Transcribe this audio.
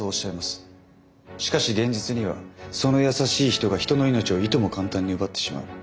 しかし現実にはその優しい人が人の命をいとも簡単に奪ってしまう。